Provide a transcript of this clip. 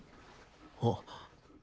あっ。